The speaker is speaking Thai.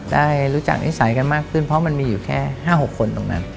ได้รู้จักนิสัยกันมากขึ้นเพราะมันมีอยู่แค่๕๖คนตรงนั้น